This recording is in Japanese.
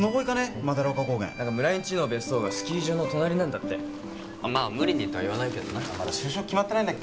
斑丘高原村井んちの別荘がスキー場の隣なんだってまあ無理にとは言わないけどなまだ就職決まってないんだっけ？